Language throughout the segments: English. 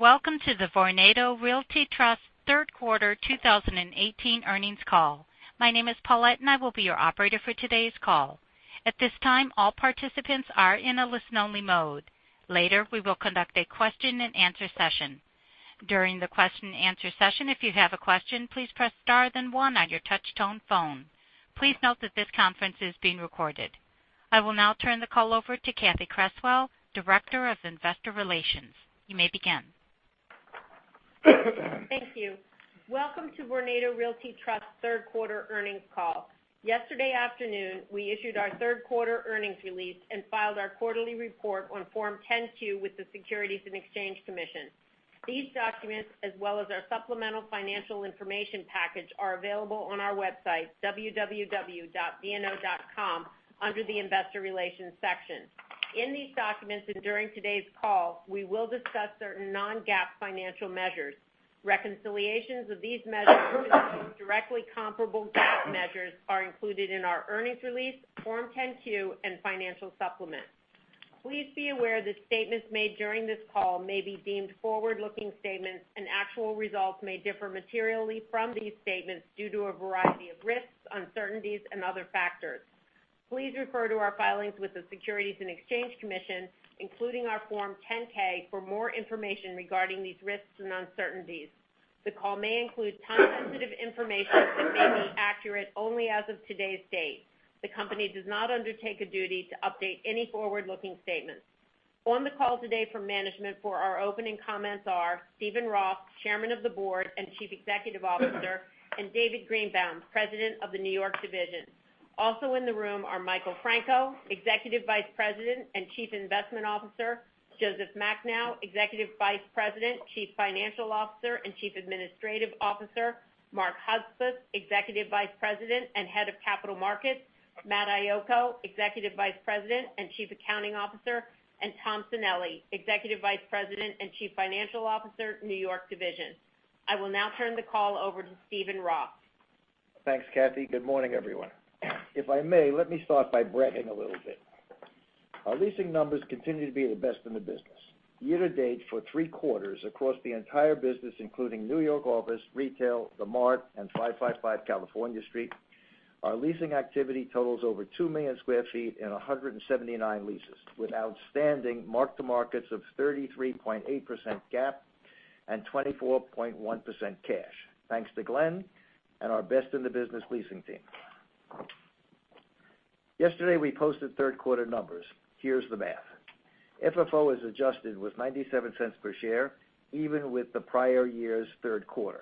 Welcome to the Vornado Realty Trust third quarter 2018 earnings call. My name is Paulette and I will be your operator for today's call. At this time, all participants are in a listen-only mode. Later, we will conduct a question and answer session. During the question and answer session, if you have a question, please press star then one on your touch tone phone. Please note that this conference is being recorded. I will now turn the call over to Cathy Creswell, Director of Investor Relations. You may begin. Thank you. Welcome to Vornado Realty Trust third quarter earnings call. Yesterday afternoon, we issued our third quarter earnings release and filed our quarterly report on Form 10-Q with the Securities and Exchange Commission. These documents, as well as our supplemental financial information package, are available on our website, www.vno.com, under the Investor Relations section. In these documents and during today's call, we will discuss certain non-GAAP financial measures. Reconciliations of these measures to the most directly comparable GAAP measures are included in our earnings release, Form 10-Q, and financial supplement. Please be aware that statements made during this call may be deemed forward-looking statements and actual results may differ materially from these statements due to a variety of risks, uncertainties, and other factors. Please refer to our filings with the Securities and Exchange Commission, including our Form 10-K, for more information regarding these risks and uncertainties. The call may include time-sensitive information that may be accurate only as of today's date. The company does not undertake a duty to update any forward-looking statements. On the call today from management for our opening comments are Steven Roth, Chairman of the Board and Chief Executive Officer, and David Greenbaum, President of the New York Division. Also in the room are Michael Franco, Executive Vice President and Chief Investment Officer, Joseph Macnow, Executive Vice President, Chief Financial Officer, and Chief Administrative Officer, Mark Hudspeth, Executive Vice President and Head of Capital Markets, Matthew Iocco, Executive Vice President and Chief Accounting Officer, and Thomas Sanelli, Executive Vice President and Chief Financial Officer, New York Division. I will now turn the call over to Steven Roth. Thanks, Cathy. Good morning, everyone. If I may, let me start by bragging a little bit. Our leasing numbers continue to be the best in the business. Year to date for three quarters across the entire business, including New York Office, Retail, The Mart, and 555 California Street, our leasing activity totals over 2 million sq ft and 179 leases, with outstanding mark-to-markets of 33.8% GAAP and 24.1% cash. Thanks to Glenn and our best in the business leasing team. Yesterday, we posted third quarter numbers. Here's the math. FFO is adjusted with $0.97 per share, even with the prior year's third quarter.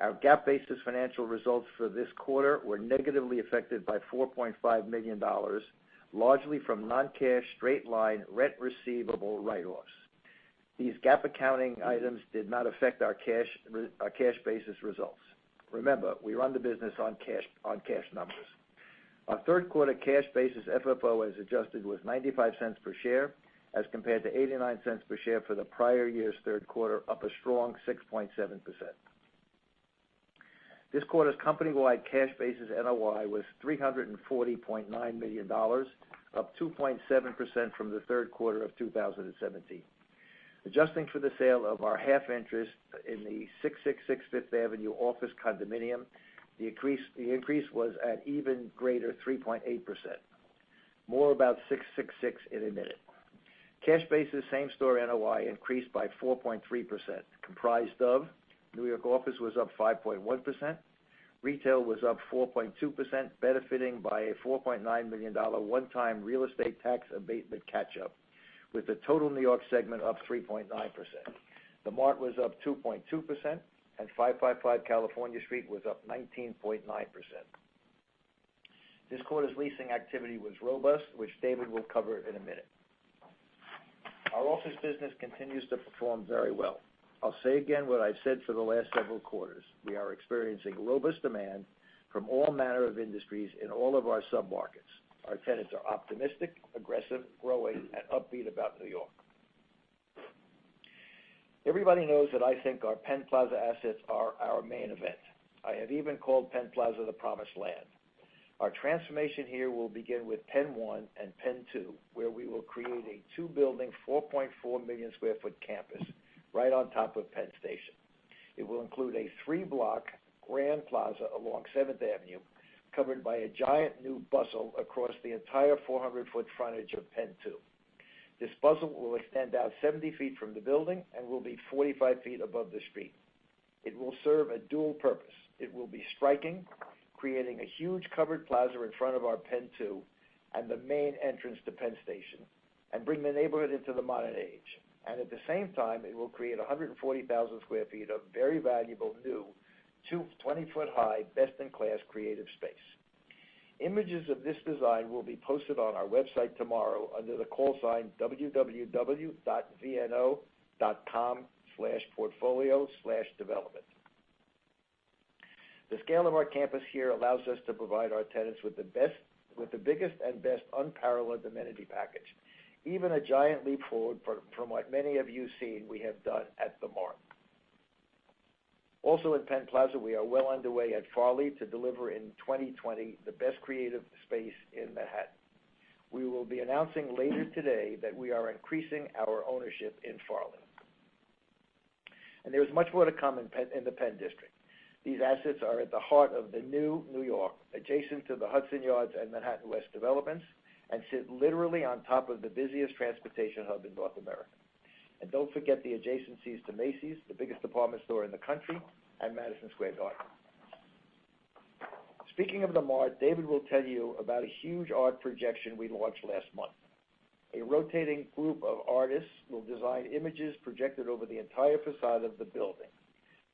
Our GAAP-based financial results for this quarter were negatively affected by $4.5 million, largely from non-cash, straight-line rent receivable write-offs. These GAAP accounting items did not affect our cash basis results. Remember, we run the business on cash numbers. Our third quarter cash basis FFO as adjusted was $0.95 per share as compared to $0.89 per share for the prior year's third quarter, up a strong 6.7%. This quarter's company-wide cash basis NOI was $340.9 million, up 2.7% from the third quarter of 2017. Adjusting for the sale of our half interest in the 666 Fifth Avenue office condominium, the increase was at even greater 3.8%. More about 666 in a minute. Cash basis same store NOI increased by 4.3%, comprised of New York Office was up 5.1%, Retail was up 4.2%, benefiting by a $4.9 million one-time real estate tax abatement catch-up, with the total New York segment up 3.9%. The Mart was up 2.2%, and 555 California Street was up 19.9%. This quarter's leasing activity was robust, which David will cover in a minute. Our office business continues to perform very well. I'll say again what I've said for the last several quarters. We are experiencing robust demand from all manner of industries in all of our sub-markets. Our tenants are optimistic, aggressive, growing, and upbeat about New York. Everybody knows that I think our Penn Plaza assets are our main event. I have even called Penn Plaza the Promised Land. Our transformation here will begin with Penn One and Penn Two, where we will create a two-building, 4.4-million-square-foot campus right on top of Penn Station. It will include a three-block grand plaza along Seventh Avenue, covered by a giant new bustle across the entire 400-foot frontage of Penn Two. This bustle will extend out 70 feet from the building and will be 45 feet above the street. It will serve a dual purpose. It will be striking, creating a huge covered plaza in front of our Penn Two and the main entrance to Penn Station and bring the neighborhood into the modern age. At the same time, it will create 140,000 square feet of very valuable new 20-foot-high, best-in-class creative space. Images of this design will be posted on our website tomorrow under the call sign www.vno.com/portfolio/development. The scale of our campus here allows us to provide our tenants with the biggest and best unparalleled amenity package, even a giant leap forward from what many of you seen we have done at The Mart. Also in Penn Plaza, we are well underway at Farley to deliver in 2020, the best creative space in Manhattan. We will be announcing later today that we are increasing our ownership in Farley. There's much more to come in the Penn District. These assets are at the heart of the new New York, adjacent to the Hudson Yards and Manhattan West developments, and sit literally on top of the busiest transportation hub in North America. Don't forget the adjacencies to Macy's, the biggest department store in the country, and Madison Square Garden. Speaking of The Mart, David will tell you about a huge art projection we launched last month. A rotating group of artists will design images projected over the entire facade of the building.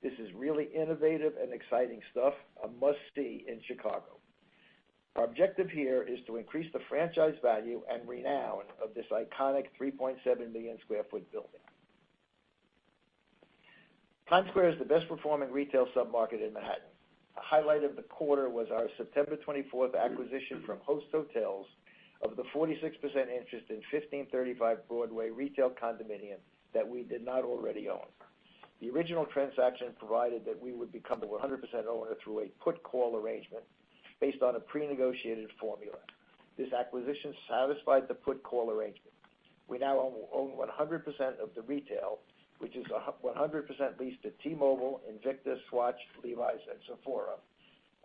This is really innovative and exciting stuff, a must-see in Chicago. Our objective here is to increase the franchise value and renown of this iconic 3.7-million-square-foot building. Times Square is the best performing retail submarket in Manhattan. A highlight of the quarter was our September 24th acquisition from Host Hotels of the 46% interest in 1535 Broadway retail condominium that we did not already own. The original transaction provided that we would become the 100% owner through a put call arrangement based on a prenegotiated formula. This acquisition satisfied the put call arrangement. We now own 100% of the retail, which is 100% leased to T-Mobile, Invictus, Swatch, Levi's, and Sephora,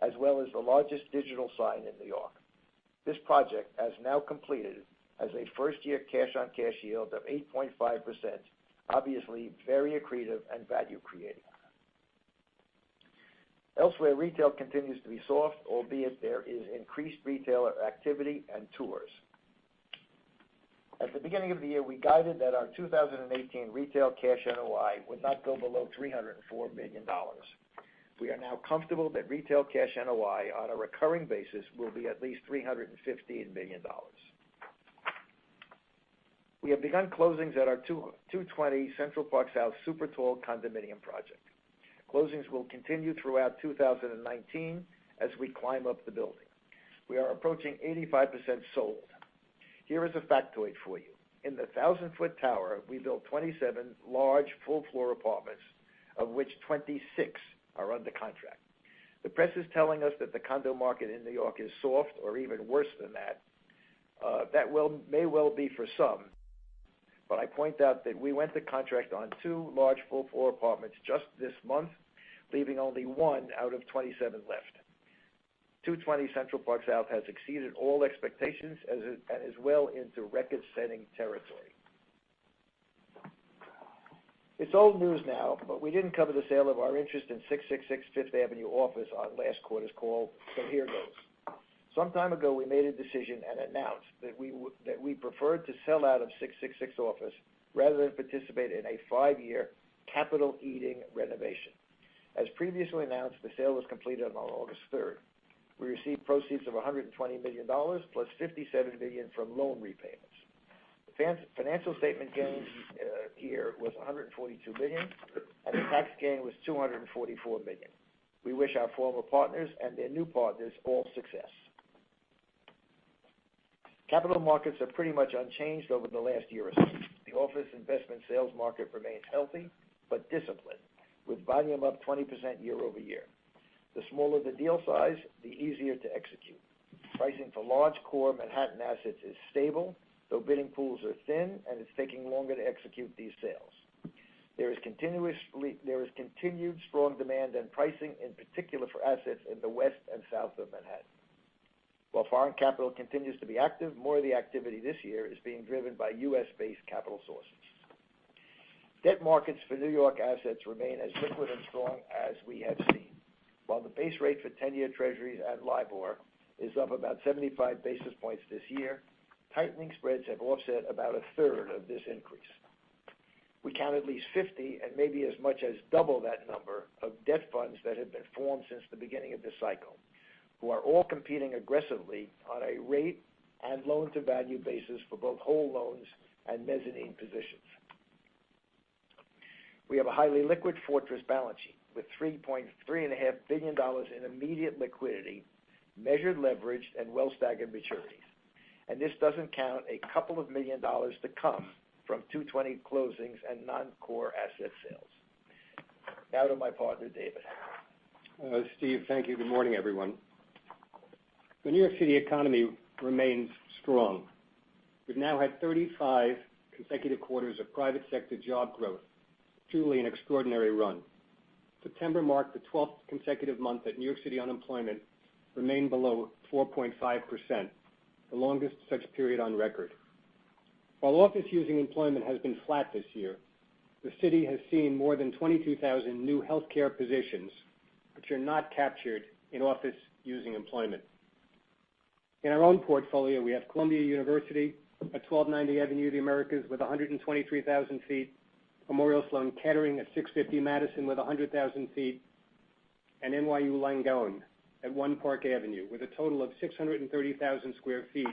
as well as the largest digital sign in New York. This project, as now completed, has a first-year cash on cash yield of 8.5%, obviously very accretive and value creating. Elsewhere, retail continues to be soft, albeit there is increased retailer activity and tours. At the beginning of the year, we guided that our 2018 retail cash NOI would not go below $304 million. We are now comfortable that retail cash NOI on a recurring basis will be at least $315 million. We have begun closings at our 220 Central Park South super tall condominium project. Closings will continue throughout 2019 as we climb up the building. We are approaching 85% sold. Here is a factoid for you. In the 1,000-foot tower, we built 27 large full floor apartments, of which 26 are under contract. The press is telling us that the condo market in New York is soft or even worse than that. That may well be for some, but I point out that we went to contract on two large full floor apartments just this month, leaving only one out of 27 left. 220 Central Park South has exceeded all expectations and is well into record-setting territory. It's old news now, but we didn't cover the sale of our interest in 666 Fifth Avenue office on last quarter's call, so here goes. Some time ago, we made a decision and announced that we preferred to sell out of 666 office rather than participate in a five-year capital eating renovation. As previously announced, the sale was completed on August third. We received proceeds of $120 million, plus $57 million from loan repayments. The financial statement gain here was $142 million, and the tax gain was $244 million. We wish our former partners and their new partners all success. Capital markets are pretty much unchanged over the last year or so. The office investment sales market remains healthy but disciplined, with volume up 20% year-over-year. The smaller the deal size, the easier to execute. Pricing for large core Manhattan assets is stable, though bidding pools are thin, and it's taking longer to execute these sales. There is continued strong demand and pricing, in particular for assets in the West and South of Manhattan. While foreign capital continues to be active, more of the activity this year is being driven by U.S.-based capital sources. Debt markets for New York assets remain as liquid and strong as we have seen. While the base rate for 10-year Treasury at LIBOR is up about 75 basis points this year, tightening spreads have offset about a third of this increase. We count at least 50, and maybe as much as double that number of debt funds that have been formed since the beginning of this cycle, who are all competing aggressively on a rate and loan to value basis for both whole loans and mezzanine positions. We have a highly liquid fortress balance sheet with $3.3 and a half billion in immediate liquidity, measured leverage, and well-staggered maturities. This doesn't count $2 million to come from 220 closings and non-core asset sales. Now to my partner, David. Steve, thank you. Good morning, everyone. The New York City economy remains strong. We've now had 35 consecutive quarters of private sector job growth, truly an extraordinary run. September marked the 12th consecutive month that New York City unemployment remained below 4.5%, the longest such period on record. While office using employment has been flat this year, the city has seen more than 22,000 new healthcare positions, which are not captured in office using employment. In our own portfolio, we have Columbia University at 1290 Avenue of the Americas with 123,000 feet, Memorial Sloan Kettering at 650 Madison with 100,000 feet, and NYU Langone at One Park Avenue with a total of 630,000 square feet,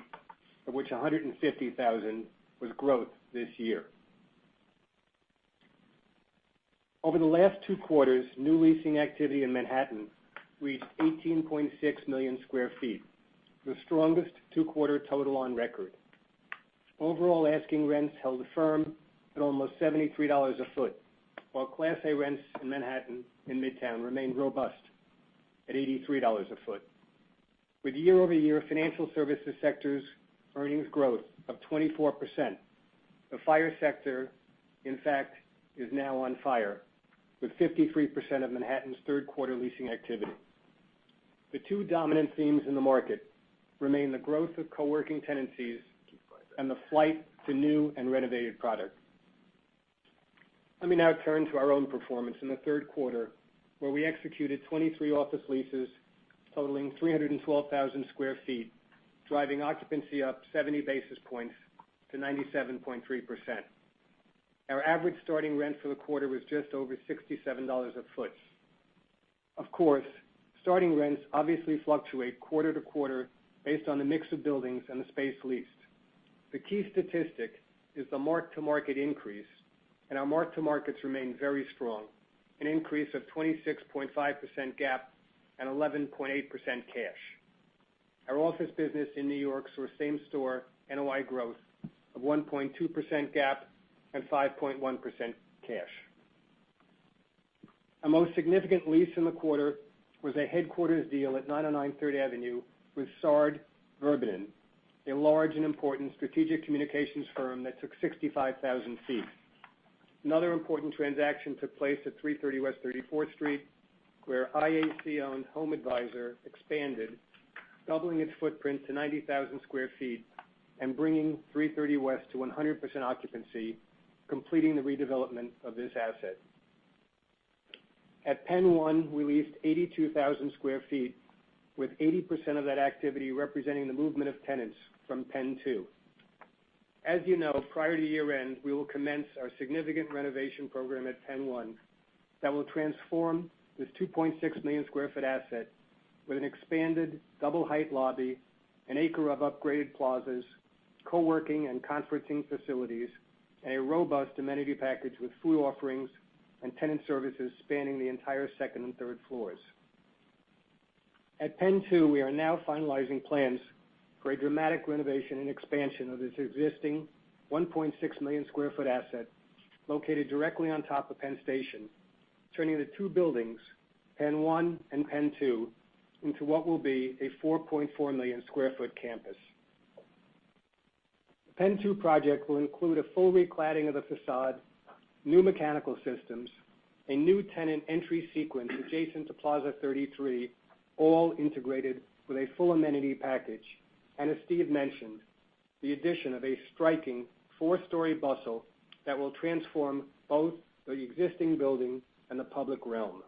of which 150,000 was growth this year. Over the last two quarters, new leasing activity in Manhattan reached 18.6 million square feet, the strongest two-quarter total on record. Overall asking rents held firm at almost $73 a foot, while Class A rents in Manhattan in Midtown remained robust at $83 a foot. With year-over-year financial services sectors earnings growth of 24%, the FIRE sector, in fact, is now on fire, with 53% of Manhattan's third quarter leasing activity. The two dominant themes in the market remain the growth of co-working tenancies and the flight to new and renovated product. Let me now turn to our own performance in the third quarter, where we executed 23 office leases totaling 312,000 square feet, driving occupancy up 70 basis points to 97.3%. Our average starting rent for the quarter was just over $67 a foot. Of course, starting rents obviously fluctuate quarter to quarter based on the mix of buildings and the space leased. The key statistic is the mark-to-market increase, and our mark-to-markets remain very strong, an increase of 26.5% GAAP and 11.8% cash. Our office business in New York saw same-store NOI growth of 1.2% GAAP and 5.1% cash. Our most significant lease in the quarter was a headquarters deal at 909 Third Avenue with Sard Verbinnen, a large and important strategic communications firm that took 65,000 feet. Another important transaction took place at 330 West 34th Street, where IAC-owned HomeAdvisor expanded, doubling its footprint to 90,000 square feet and bringing 330 West to 100% occupancy, completing the redevelopment of this asset. At Penn One, we leased 82,000 square feet, with 80% of that activity representing the movement of tenants from Penn Two. As you know, prior to year-end, we will commence our significant renovation program at Penn One that will transform this 2.6 million square foot asset with an expanded double-height lobby, an acre of upgraded plazas, co-working and conferencing facilities, and a robust amenity package with food offerings and tenant services spanning the entire second and third floors. At Penn Two, we are now finalizing plans for a dramatic renovation and expansion of its existing 1.6 million square foot asset located directly on top of Penn Station, turning the two buildings, Penn One and Penn Two, into what will be a 4.4 million square foot campus. The Penn Two project will include a full recladding of the facade, new mechanical systems, a new tenant entry sequence adjacent to Plaza 33, all integrated with a full amenity package, and as Steve mentioned, the addition of a striking four-story bustle that will transform both the existing building and the public realm.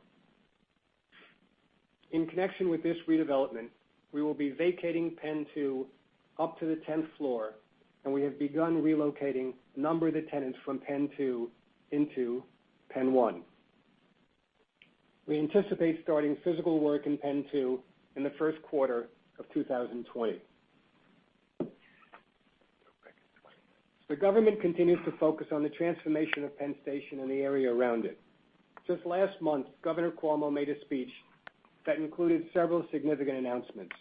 In connection with this redevelopment, we will be vacating Penn Two up to the tenth floor, and we have begun relocating a number of the tenants from Penn Two into Penn One. We anticipate starting physical work in Penn Two in the first quarter of 2020. The government continues to focus on the transformation of Penn Station and the area around it. Just last month, Governor Cuomo made a speech that included several significant announcements.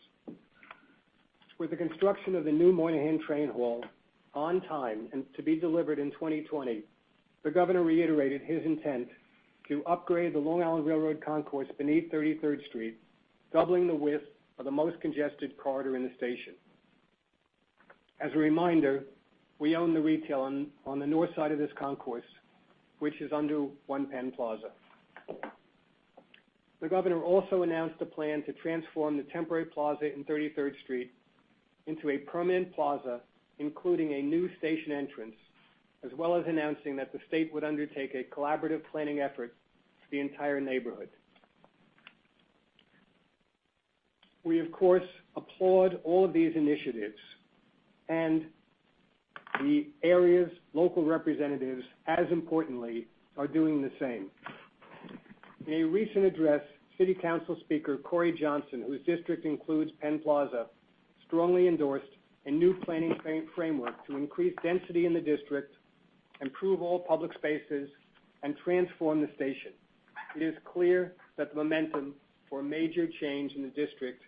With the construction of the new Moynihan Train Hall on time and to be delivered in 2020, the governor reiterated his intent to upgrade the Long Island Rail Road Concourse beneath 33rd Street, doubling the width of the most congested corridor in the station. As a reminder, we own the retail on the north side of this concourse, which is under One Penn Plaza. The governor also announced a plan to transform the temporary plaza on 33rd Street into a permanent plaza, including a new station entrance, as well as announcing that the state would undertake a collaborative planning effort for the entire neighborhood. We, of course, applaud all of these initiatives, and the area's local representatives, as importantly, are doing the same. In a recent address, City Council Speaker Corey Johnson, whose district includes Penn Plaza, strongly endorsed a new planning framework to increase density in the district, improve all public spaces, and transform the station. It is clear that the momentum for a major change in the district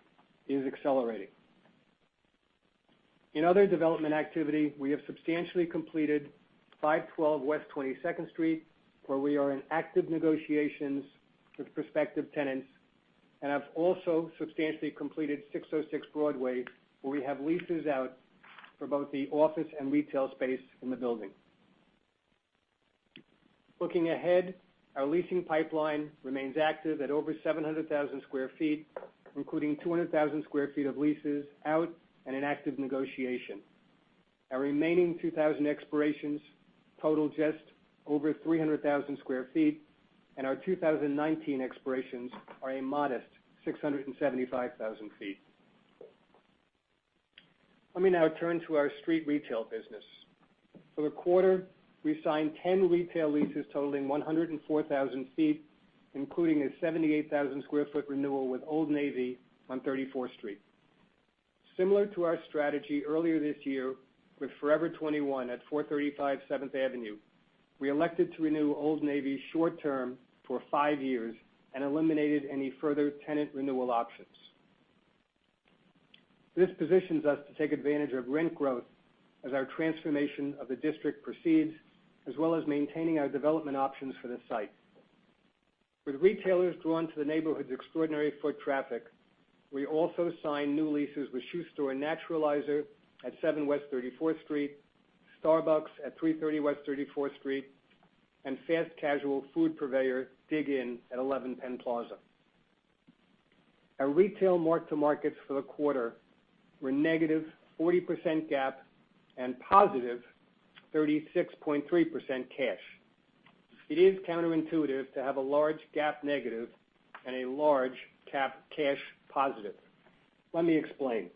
is accelerating. In other development activity, we have substantially completed 512 West 22nd Street, where we are in active negotiations with prospective tenants, and have also substantially completed 606 Broadway, where we have leases out for both the office and retail space in the building. Looking ahead, our leasing pipeline remains active at over 700,000 square feet, including 200,000 square feet of leases out and in active negotiation. Our remaining 2020 expirations total just over 300,000 square feet, and our 2019 expirations are a modest 675,000 feet. Let me now turn to our street retail business. For the quarter, we signed 10 retail leases totaling 104,000 sq ft, including a 78,000 sq ft renewal with Old Navy on 34th Street. Similar to our strategy earlier this year with Forever 21 at 435 Seventh Avenue, we elected to renew Old Navy short-term for 5 years and eliminated any further tenant renewal options. This positions us to take advantage of rent growth as our transformation of the district proceeds, as well as maintaining our development options for the site. With retailers drawn to the neighborhood's extraordinary foot traffic, we also signed new leases with shoe store Naturalizer at 7 West 34th Street, Starbucks at 330 West 34th Street, and fast casual food purveyor Dig Inn at 11 Penn Plaza. Our retail mark-to-markets for the quarter were -40% GAAP and +36.3% cash. It is counterintuitive to have a large GAAP negative and a large cash positive. Let me explain.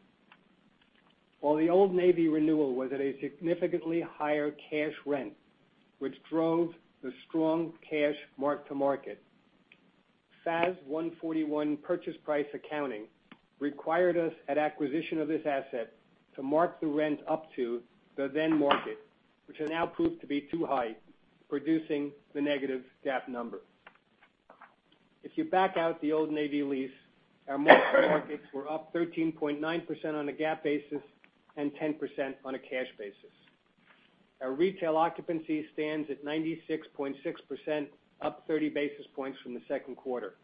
While the Old Navy renewal was at a significantly higher cash rent, which drove the strong cash mark-to-market, SFAS 141 purchase price accounting required us at acquisition of this asset to mark the rent up to the then market, which has now proved to be too high, producing the negative GAAP number. If you back out the Old Navy lease, our mark-to-markets were up 13.9% on a GAAP basis and 10% on a cash basis. Our retail occupancy stands at 96.6%, up 30 basis points from the second quarter.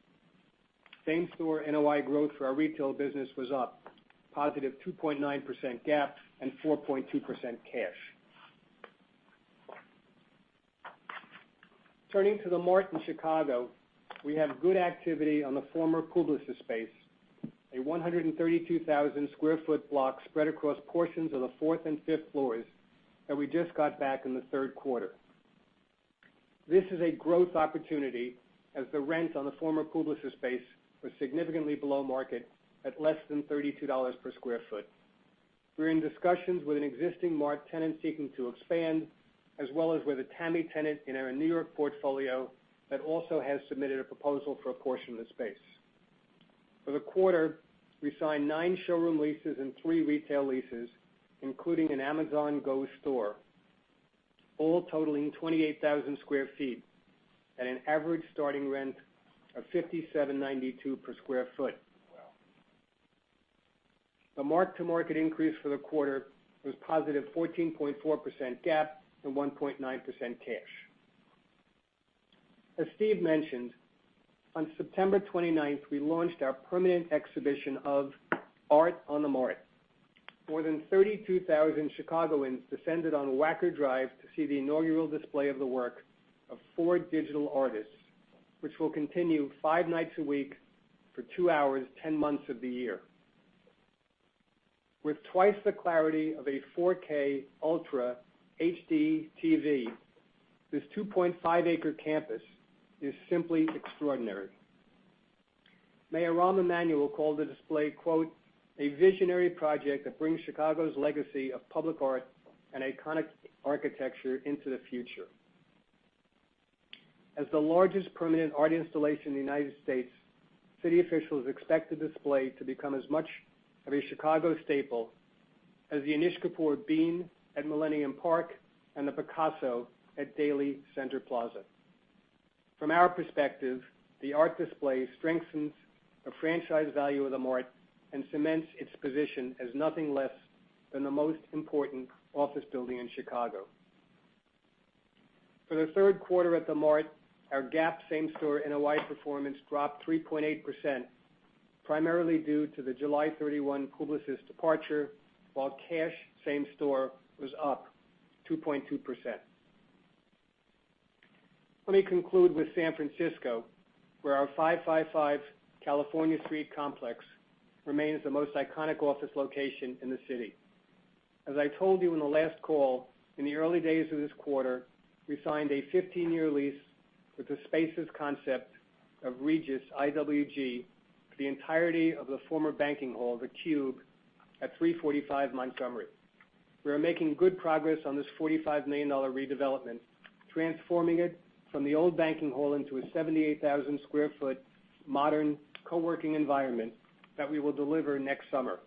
Same-store NOI growth for our retail business was up +2.9% GAAP and 4.2% cash. Turning to The Mart in Chicago, we have good activity on the former Publicis space, a 132,000 sq ft block spread across portions of the fourth and fifth floors that we just got back in the third quarter. This is a growth opportunity as the rent on the former Publicis space was significantly below market at less than $32 per sq ft. We're in discussions with an existing Mart tenant seeking to expand, as well as with a TAMI tenant in our New York portfolio that also has submitted a proposal for a portion of the space. For the quarter, we signed 9 showroom leases and 3 retail leases, including an Amazon Go store, all totaling 28,000 sq ft at an average starting rent of $57.92 per sq ft. The mark-to-market increase for the quarter was +14.4% GAAP and 1.9% cash. As Steve mentioned, on September 29th, we launched our permanent exhibition of Art on theMART. More than 32,000 Chicagoans descended on Wacker Drive to see the inaugural display of the work of 4 digital artists, which will continue 5 nights a week for 2 hours, 10 months of the year. With twice the clarity of a 4K Ultra HDTV, this 2.5 acre campus is simply extraordinary. Mayor Rahm Emanuel called the display "a visionary project that brings Chicago's legacy of public art and iconic architecture into the future." As the largest permanent art installation in the U.S., city officials expect the display to become as much of a Chicago staple as the Anish Kapoor Bean at Millennium Park and the Picasso at Daley Center Plaza. From our perspective, the art display strengthens the franchise value of The Mart and cements its position as nothing less than the most important office building in Chicago. For the third quarter at The Mart, our GAAP same-store NOI performance dropped 3.8%, primarily due to the July 31 Publicis departure, while cash same-store was up 2.2%. Let me conclude with San Francisco, where our 555 California Street complex remains the most iconic office location in the city. As I told you on the last call, in the early days of this quarter, we signed a 15-year lease with the Spaces concept of Regus IWG for the entirety of the former banking hall, the Cube, at 345 Montgomery. We are making good progress on this $45 million redevelopment, transforming it from the old banking hall into a 78,000 sq ft modern co-working environment that we will deliver next summer.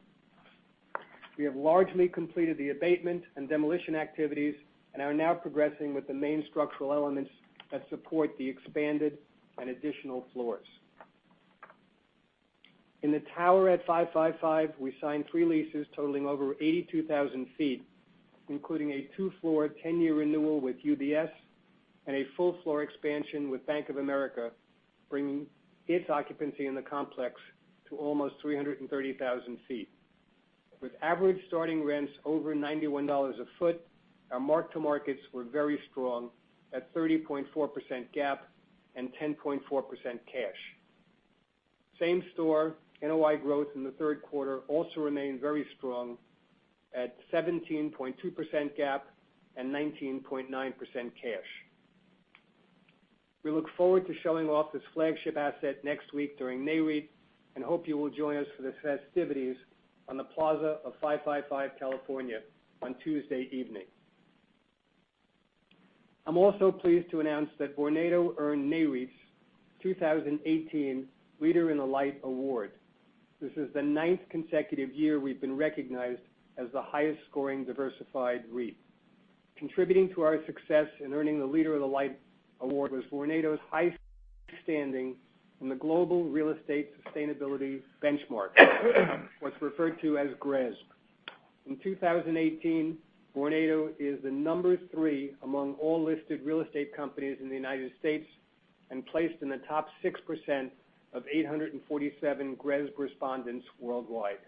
We have largely completed the abatement and demolition activities and are now progressing with the main structural elements that support the expanded and additional floors. In the tower at 555, we signed three leases totaling over 82,000 feet, including a two-floor, 10-year renewal with UBS and a full floor expansion with Bank of America, bringing its occupancy in the complex to almost 330,000 feet. With average starting rents over $91 a foot, our mark-to-markets were very strong at 30.4% GAAP and 10.4% cash. Same store NOI growth in the third quarter also remained very strong at 17.2% GAAP and 19.9% cash. We look forward to showing off this flagship asset next week during Nareit and hope you will join us for the festivities on the plaza of 555 California on Tuesday evening. I'm also pleased to announce that Vornado earned Nareit's 2018 Leader in the Light award. This is the ninth consecutive year we've been recognized as the highest-scoring diversified REIT. Contributing to our success in earning the Leader in the Light award was Vornado's high standing in the Global Real Estate Sustainability Benchmark, what's referred to as GRESB. In 2018, Vornado is the number 3 among all listed real estate companies in the U.S., and placed in the top 6% of 847 GRESB respondents worldwide.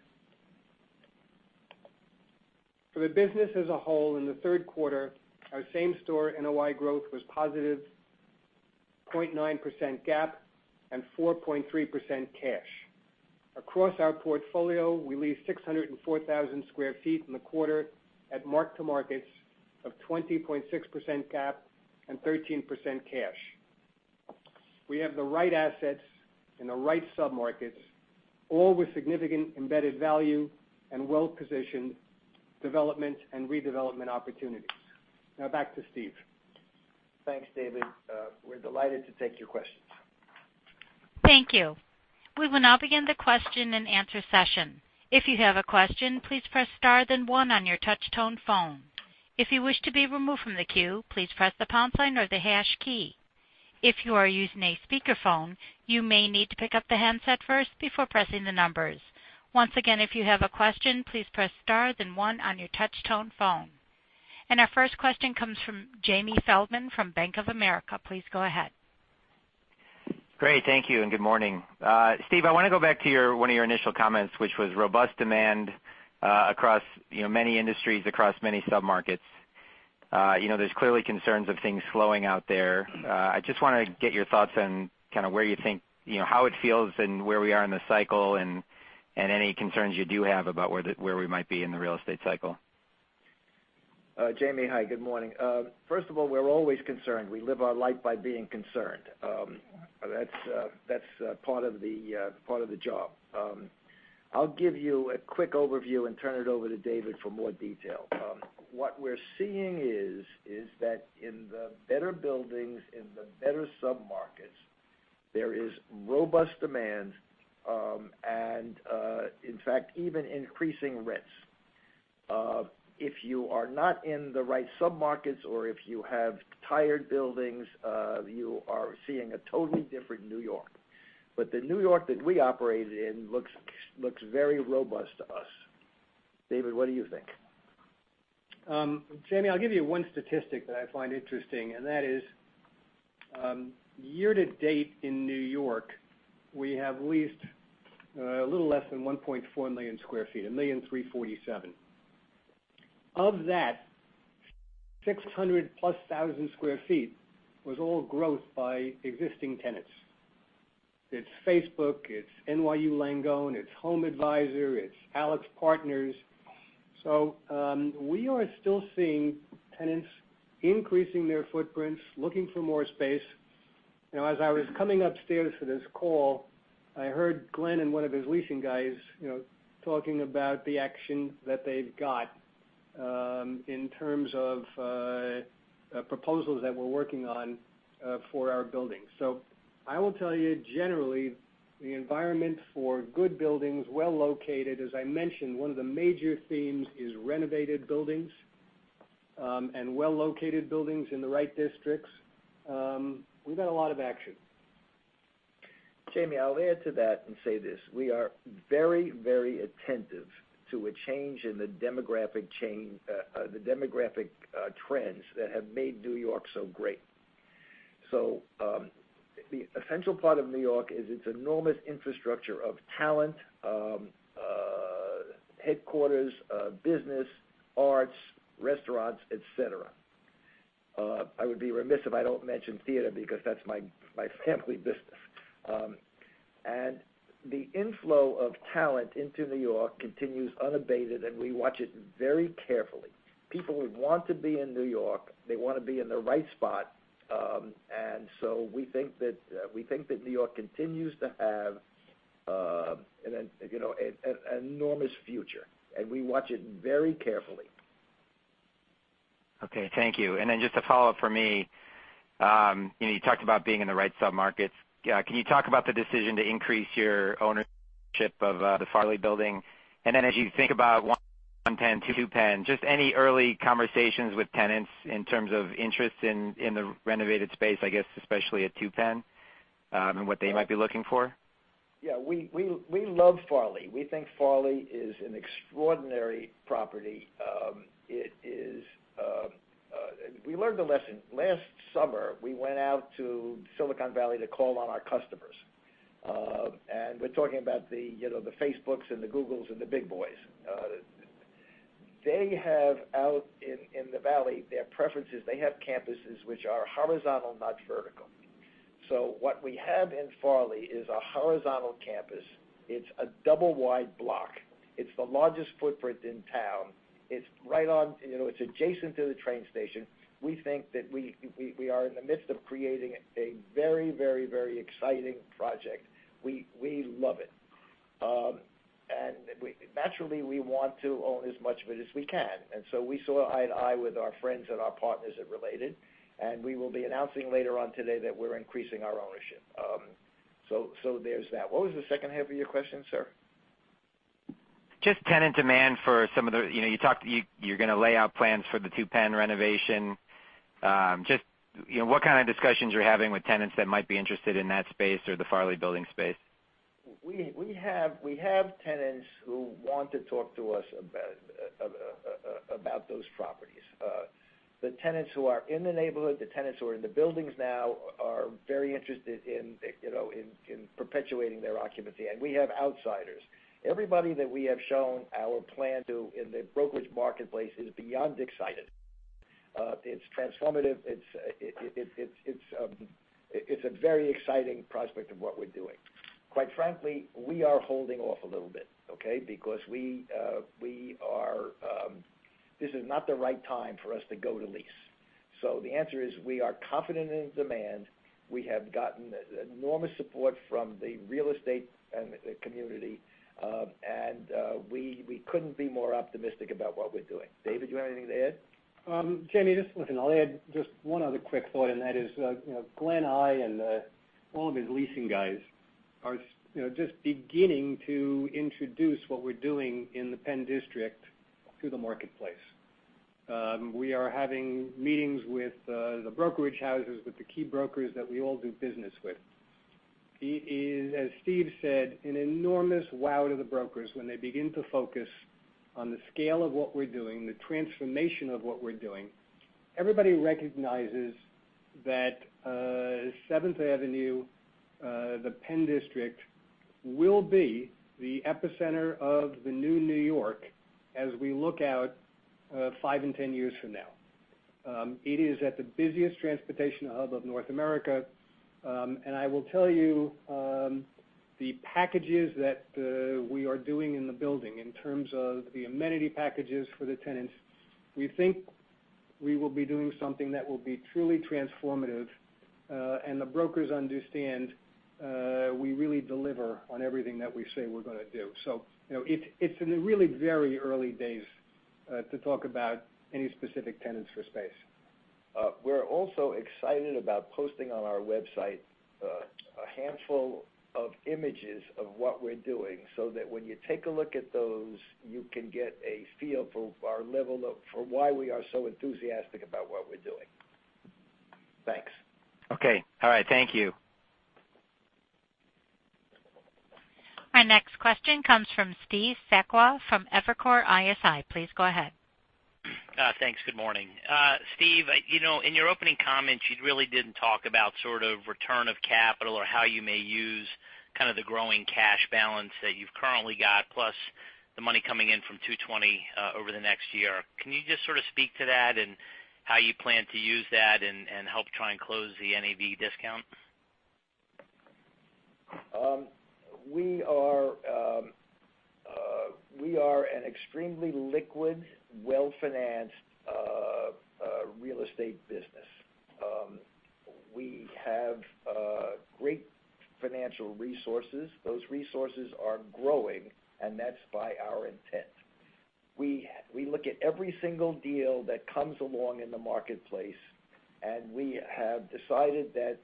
For the business as a whole in the third quarter, our same-store NOI growth was positive 0.9% GAAP and 4.3% cash. Across our portfolio, we leased 604,000 sq ft in the quarter at mark-to-markets of 20.6% GAAP and 13% cash. We have the right assets in the right submarkets, all with significant embedded value and well-positioned development and redevelopment opportunities. Back to Steve. Thanks, David. We're delighted to take your questions. Thank you. We will now begin the question and answer session. If you have a question, please press star then one on your touch tone phone. If you wish to be removed from the queue, please press the pound sign or the hash key. If you are using a speakerphone, you may need to pick up the handset first before pressing the numbers. Once again, if you have a question, please press star then one on your touch tone phone. Our first question comes from Jamie Feldman from Bank of America. Please go ahead. Great, thank you and good morning. Steve, I want to go back to one of your initial comments, which was robust demand across many industries, across many submarkets. There's clearly concerns of things slowing out there. I just want to get your thoughts on how it feels and where we are in the cycle, and any concerns you do have about where we might be in the real estate cycle. Jamie, hi, good morning. First of all, we're always concerned. We live our life by being concerned. That's part of the job. I'll give you a quick overview and turn it over to David for more detail. What we're seeing is that in the better buildings, in the better submarkets, there is robust demand, and in fact, even increasing rents. If you are not in the right submarkets, or if you have tired buildings, you are seeing a totally different New York. The New York that we operate in looks very robust to us. David, what do you think? Jamie, I'll give you one statistic that I find interesting, and that is year to date in New York, we have leased a little less than 1.4 million square feet, 1,347,000. Of that, 600 plus thousand square feet was all growth by existing tenants. It's Facebook, it's NYU Langone, it's HomeAdvisor, it's AlixPartners. We are still seeing tenants increasing their footprints, looking for more space. As I was coming upstairs for this call, I heard Glen and one of his leasing guys talking about the action that they've got in terms of proposals that we're working on for our buildings. I will tell you generally, the environment for good buildings, well located, as I mentioned, one of the major themes is renovated buildings, and well-located buildings in the right districts. We've got a lot of action. Jamie, I'll add to that and say this, we are very, very attentive to a change in the demographic trends that have made New York so great. The essential part of New York is its enormous infrastructure of talent, headquarters, business, arts, restaurants, et cetera. I would be remiss if I don't mention theater because that's my family business. The inflow of talent into New York continues unabated, and we watch it very carefully. People would want to be in New York. They want to be in the right spot. We think that New York continues to have an enormous future, and we watch it very carefully. Okay, thank you. Just a follow-up from me. You talked about being in the right submarkets. Can you talk about the decision to increase your ownership of the Farley Building? As you think about One Penn, Two Penn, just any early conversations with tenants in terms of interest in the renovated space, I guess, especially at 2 Penn, and what they might be looking for? Yeah, we love Farley. We think Farley is an extraordinary property. We learned a lesson. Last summer, we went out to Silicon Valley to call on our customers. We're talking about the Facebooks and the Googles and the big boys. They have out in the Valley, their preferences. They have campuses which are horizontal, not vertical. What we have in Farley is a horizontal campus. It's a double wide block. It's the largest footprint in town. It's adjacent to the train station. We think that we are in the midst of creating a very exciting project. We love it. Naturally, we want to own as much of it as we can. We saw eye to eye with our friends and our partners at Related, and we will be announcing later on today that we're increasing our ownership. There's that. What was the second half of your question, sir? Just tenant demand for some of the you're going to lay out plans for the Two Penn renovation. What kind of discussions you're having with tenants that might be interested in that space or the Farley Building space? We have tenants who want to talk to us about those properties. The tenants who are in the neighborhood, the tenants who are in the buildings now are very interested in perpetuating their occupancy. We have outsiders. Everybody that we have shown our plan to in the brokerage marketplace is beyond excited. It's transformative. It's a very exciting prospect of what we're doing. Quite frankly, we are holding off a little bit, okay? Because this is not the right time for us to go to lease. The answer is, we are confident in the demand. We have gotten enormous support from the real estate community. We couldn't be more optimistic about what we're doing. David, do you have anything to add? Jamie, I'll add just one other quick thought, Glen, I, and all of his leasing guys are just beginning to introduce what we're doing in the Penn District to the marketplace. We are having meetings with the brokerage houses, with the key brokers that we all do business with. It is, as Steve said, an enormous wow to the brokers when they begin to focus on the scale of what we're doing, the transformation of what we're doing. Everybody recognizes that Seventh Avenue, the Penn District, will be the epicenter of the new New York as we look out 5 and 10 years from now. It is at the busiest transportation hub of North America. I will tell you, the packages that we are doing in the building in terms of the amenity packages for the tenants, we think we will be doing something that will be truly transformative. The brokers understand, we really deliver on everything that we say we're going to do. It's in the really very early days to talk about any specific tenants for space. We're also excited about posting on our website a handful of images of what we're doing, so that when you take a look at those, you can get a feel for why we are so enthusiastic about what we're doing. Thanks. Okay. All right. Thank you. Our next question comes from Steve Sakwa from Evercore ISI. Please go ahead. Thanks. Good morning. Steve, in your opening comments, you really didn't talk about sort of return of capital or how you may use kind of the growing cash balance that you've currently got, plus the money coming in from 220 over the next year. Can you just sort of speak to that and how you plan to use that and help try and close the NAV discount? We are an extremely liquid, well-financed real estate business. We have great financial resources. Those resources are growing, and that's by our intent. We look at every single deal that comes along in the marketplace, and we have decided that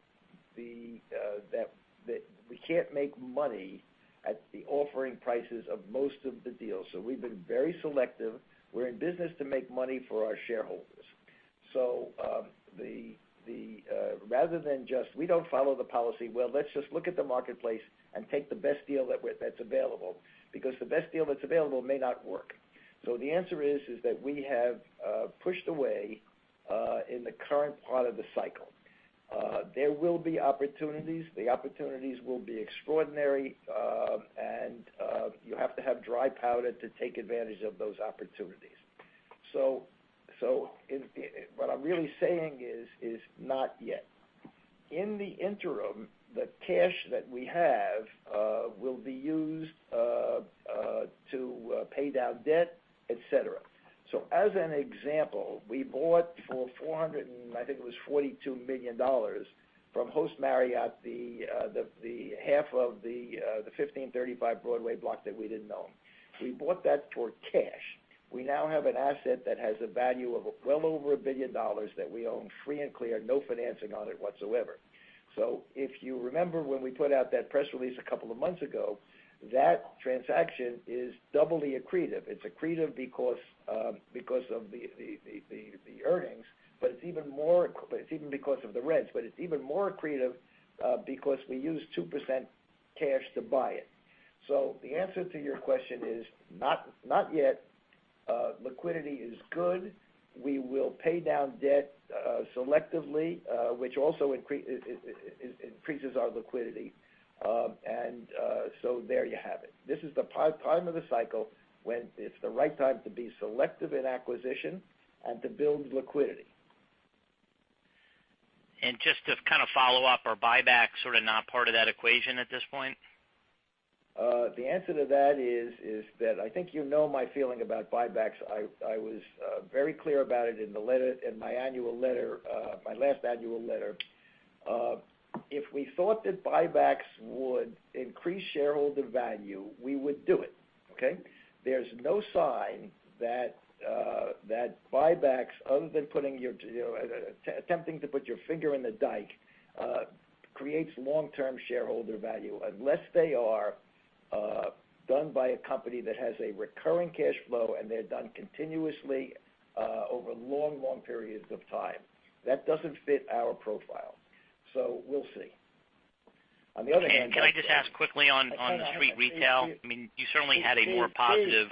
we can't make money at the offering prices of most of the deals. We've been very selective. We're in business to make money for our shareholders. We don't follow the policy, well, let's just look at the marketplace and take the best deal that's available, because the best deal that's available may not work. The answer is that we have pushed away, in the current part of the cycle. There will be opportunities. The opportunities will be extraordinary. You have to have dry powder to take advantage of those opportunities. What I'm really saying is not yet. In the interim, the cash that we have will be used to pay down debt, et cetera. As an example, we bought for 400 and, I think it was $42 million from Host Marriott, the half of the 1535 Broadway block that we didn't own. We bought that for cash. We now have an asset that has a value of well over $1 billion that we own free and clear, no financing on it whatsoever. If you remember when we put out that press release a couple of months ago, that transaction is doubly accretive. It's accretive because of the earnings, but it's even because of the rents. It's even more accretive because we used 2% cash to buy it. The answer to your question is not yet. Liquidity is good. We will pay down debt selectively, which also increases our liquidity. There you have it. This is the part of the cycle when it's the right time to be selective in acquisition and to build liquidity. Just to kind of follow up. Are buybacks sort of not part of that equation at this point? The answer to that is that I think you know my feeling about buybacks. I was very clear about it in my last annual letter. If we thought that buybacks would increase shareholder value, we would do it, okay? There's no sign that buybacks, other than attempting to put your finger in the dike, creates long-term shareholder value, unless they are done by a company that has a recurring cash flow and they're done continuously, over long periods of time. That doesn't fit our profile. We'll see. On the other hand- Can I just ask quickly on the street retail? You certainly had a more positive-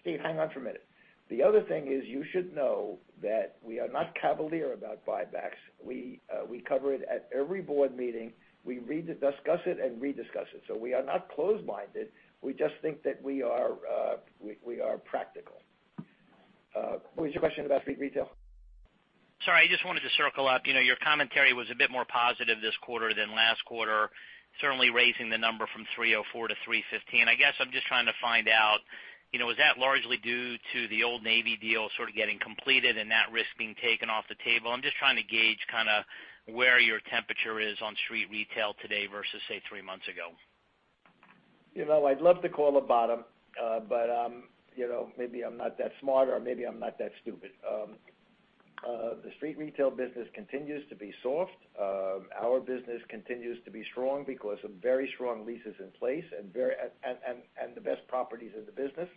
Steve, hang on for a minute. The other thing is you should know that we are not cavalier about buybacks. We cover it at every board meeting. We read it, discuss it, and rediscuss it. We are not closed-minded. We just think that we are practical. What was your question about street retail? Sorry, I just wanted to circle up. Your commentary was a bit more positive this quarter than last quarter, certainly raising the number from 304 to 315. I guess I'm just trying to find out, was that largely due to the Old Navy deal sort of getting completed and that risk being taken off the table? I'm just trying to gauge where your temperature is on street retail today versus, say, three months ago. I'd love to call a bottom, but maybe I'm not that smart or maybe I'm not that stupid. The street retail business continues to be soft. Our business continues to be strong because of very strong leases in place and the best properties in the business.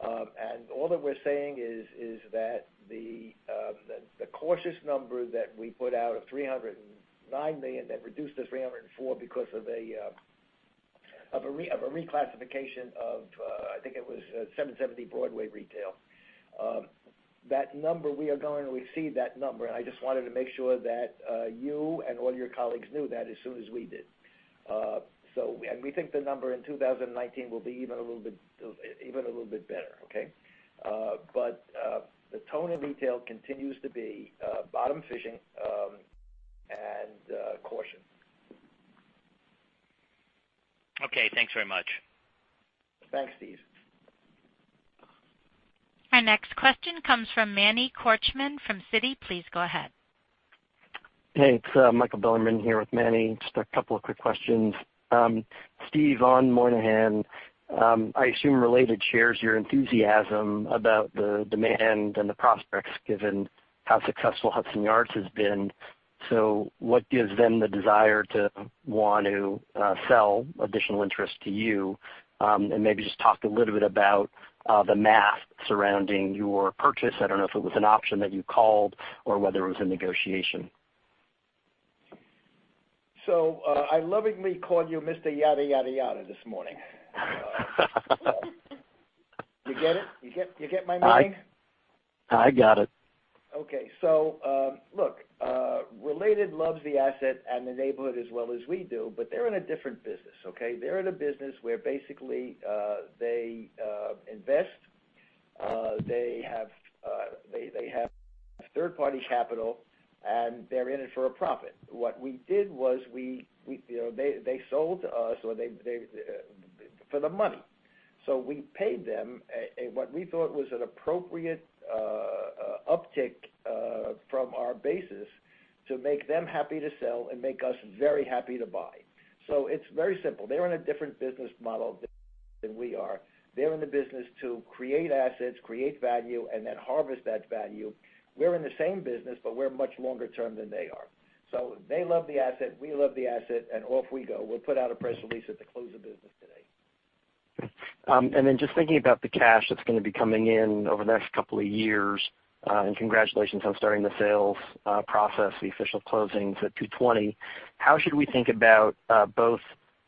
All that we're saying is that the cautious number that we put out of $309 million, then reduced to $304 because of a reclassification of, I think it was 770 Broadway Retail. That number, we are going to exceed that number, and I just wanted to make sure that you and all your colleagues knew that as soon as we did. We think the number in 2019 will be even a little bit better, okay? The tone in retail continues to be bottom fishing and caution. Okay, thanks very much. Thanks, Steve. Our next question comes from Manny Korchman from Citi. Please go ahead. Hey, it's Michael Bilerman here with Manny. Just a couple of quick questions. Steve, on Moynihan, I assume Related shares your enthusiasm about the demand and the prospects, given how successful Hudson Yards has been. What gives them the desire to want to sell additional interest to you? Maybe just talk a little bit about the math surrounding your purchase. I don't know if it was an option that you called or whether it was a negotiation. I lovingly called you Mr. Yada yada yada this morning. You get it? You get my meaning? I got it. Okay. Look, Related loves the asset and the neighborhood as well as we do. They're in a different business, okay? They're in a business where basically, they invest. They have third-party capital, and they're in it for a profit. What we did was they sold to us for the money. We paid them what we thought was an appropriate uptick from our basis to make them happy to sell and make us very happy to buy. It's very simple. They're in a different business model than we are. They're in the business to create assets, create value, and then harvest that value. We're in the same business, we're much longer term than they are. They love the asset, we love the asset, and off we go. We'll put out a press release at the close of business today. Just thinking about the cash that's going to be coming in over the next couple of years. Congratulations on starting the sales process, the official closings at 220. How should we think about both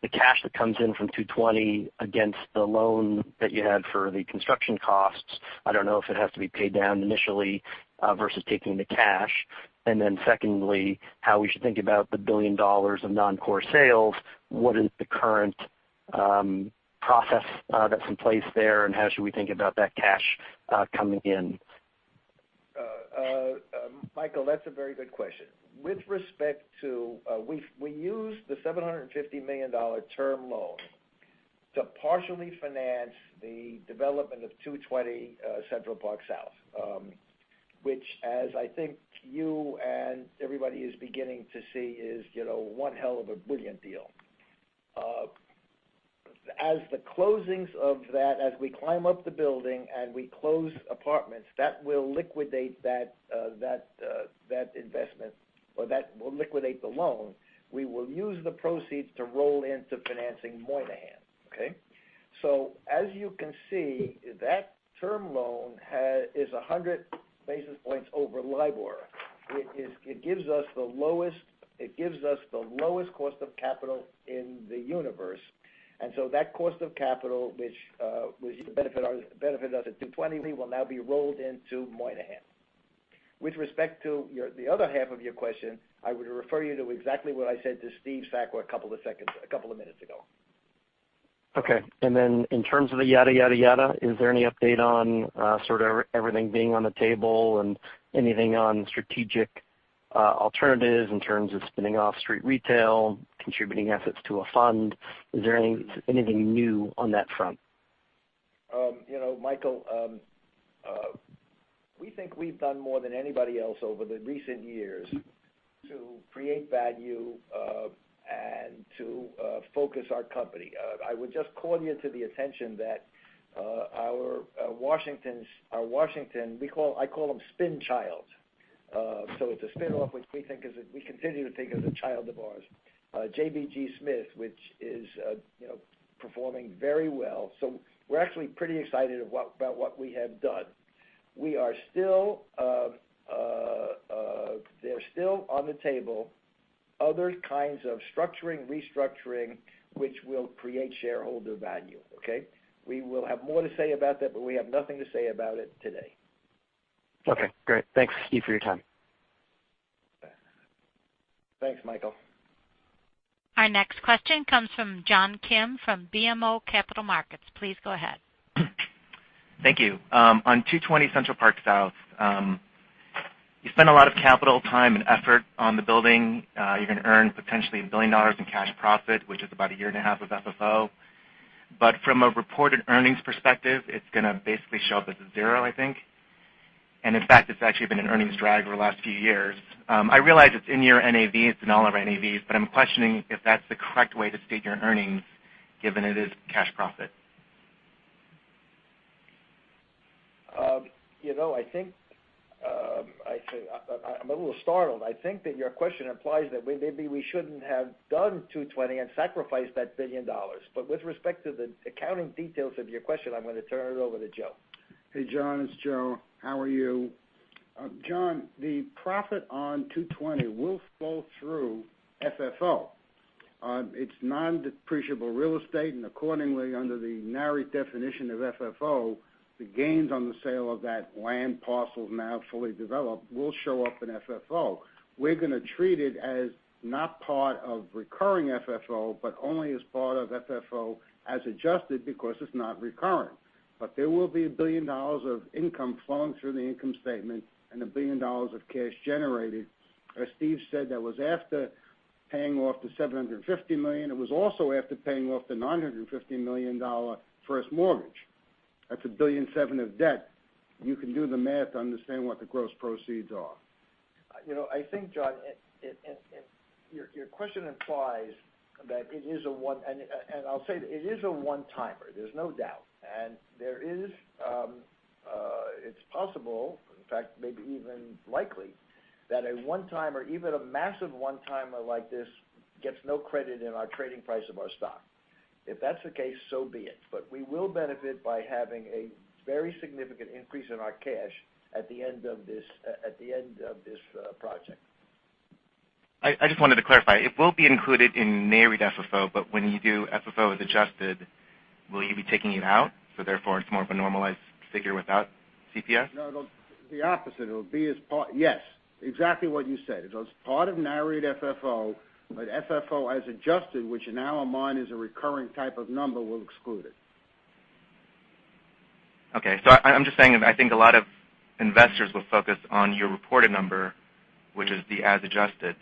the cash that comes in from 220 against the loan that you had for the construction costs? I don't know if it has to be paid down initially, versus taking the cash. Secondly, how we should think about the $1 billion of non-core sales. What is the current process that's in place there, and how should we think about that cash coming in? Michael, that's a very good question. We used the $750 million term loan to partially finance the development of 220 Central Park South, which as I think you and everybody is beginning to see is one hell of a brilliant deal. As the closings of that, as we climb up the building and we close apartments, that will liquidate that investment or that will liquidate the loan. We will use the proceeds to roll into financing Moynihan, okay? As you can see, that term loan is 100 basis points over LIBOR. It gives us the lowest cost of capital in the universe. That cost of capital, which benefited us at 220 will now be rolled into Moynihan. With respect to the other half of your question, I would refer you to exactly what I said to Steve Sakwa a couple of minutes ago. Okay. In terms of the yada yada yada, is there any update on sort of everything being on the table and anything on strategic alternatives in terms of spinning off street retail, contributing assets to a fund? Is there anything new on that front? We think we've done more than anybody else over the recent years to create value and to focus our company. I would just call you to the attention that our Washington, I call them spin child. It's a spin-off, which we continue to think of as a child of ours, JBG SMITH, which is performing very well. We're actually pretty excited about what we have done. There's still on the table other kinds of structuring, restructuring, which will create shareholder value, okay? We will have more to say about that, but we have nothing to say about it today. Okay, great. Thanks, Steve, for your time. Thanks, Michael. Our next question comes from John Kim from BMO Capital Markets. Please go ahead. Thank you. On 220 Central Park South, you spend a lot of capital, time, and effort on the building. You're going to earn potentially $1 billion in cash profit, which is about a year and a half of FFO. From a reported earnings perspective, it's going to basically show up as a zero, I think. In fact, it's actually been an earnings drag over the last few years. I realize it's in your NAVs and all of our NAVs, but I'm questioning if that's the correct way to state your earnings, given it is cash profit. I'm a little startled. I think that your question implies that maybe we shouldn't have done 220 and sacrificed that $1 billion. With respect to the accounting details of your question, I'm going to turn it over to Joe. Hey, John, it's Joe. How are you? John, the profit on 220 will flow through FFO. It's non-depreciable real estate. Accordingly, under the narrowed definition of FFO, the gains on the sale of that land parcel now fully developed will show up in FFO. We're going to treat it as not part of recurring FFO, but only as part of FFO as adjusted because it's not recurring. There will be $1 billion of income flowing through the income statement and $1 billion of cash generated. As Steve said, that was after paying off the $750 million. It was also after paying off the $950 million first mortgage. That's $1.7 billion of debt. You can do the math to understand what the gross proceeds are. I think John, your question implies that it is a one, and I'll say it is a one-timer, there's no doubt. It's possible, in fact, maybe even likely, that a one-timer or even a massive one-timer like this gets no credit in our trading price of our stock. If that's the case, so be it. We will benefit by having a very significant increase in our cash at the end of this project. I just wanted to clarify. It will be included in narrowed FFO, but when you do FFO as adjusted, will you be taking it out, so therefore it's more of a normalized figure without CPS? No, it'll be the opposite. Yes, exactly what you said. It was part of narrowed FFO, but FFO as adjusted, which now in mind is a recurring type of number, we'll exclude it. Okay. I'm just saying, I think a lot of investors will focus on your reported number, which is the as adjusted.